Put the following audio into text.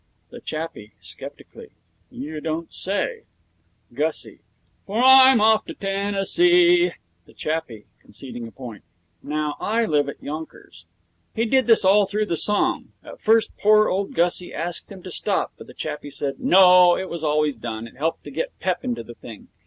THE CHAPPIE (sceptically): 'You don't say!' GUSSIE: 'For I'm off to Tennessee.' THE CHAPPIE (conceding a point): 'Now, I live at Yonkers.' He did this all through the song. At first poor old Gussie asked him to stop, but the chappie said, No, it was always done. It helped to get pep into the thing.